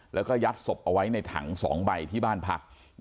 แล้วก็ยัดศพเอาไว้ในถัง๒ใบที่บ้านพัก